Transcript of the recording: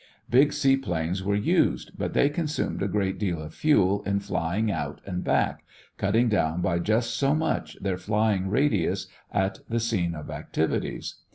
Big seaplanes were used, but they consumed a great deal of fuel in flying out and back, cutting down by just so much their flying radius at the scene of activities.